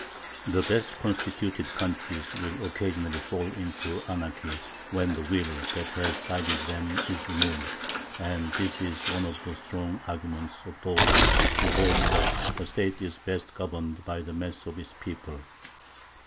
The best constituted countries will occasionally fall into anarchy when the will that has guided them is removed; and this is one of the strong arguments of those who hold that a State is best governed by the mass of its people.